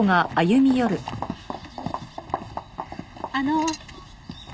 あの。